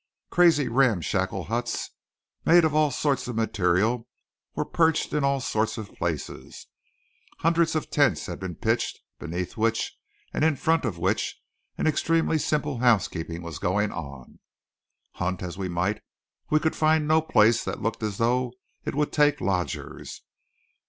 Crazy, ramshackle huts made of all sorts of material were perched in all sorts of places. Hundreds of tents had been pitched, beneath which and in front of which an extremely simple housekeeping was going on. Hunt as we might we could find no place that looked as though it would take lodgers.